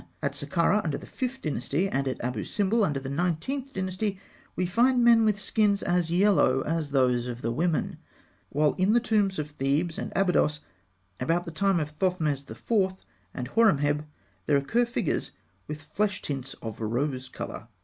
At Sakkarah, under the Fifth Dynasty, and at Abû Simbel, under the Nineteenth Dynasty, we find men with skins as yellow as those of the women; while in the tombs of Thebes and Abydos, about the time of Thothmes IV. and Horemheb, there occur figures with flesh tints of rose colour.